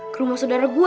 ke rumah saudara gue